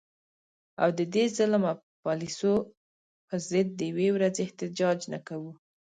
او د دې ظلم او پالیسو په ضد د یوې ورځي احتجاج نه کوو